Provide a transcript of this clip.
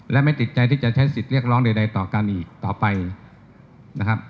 และไม่ติดใจที่จะใช้สิทธิ์เรียกร้องใดต่อกันอีกต่อไปนะครับ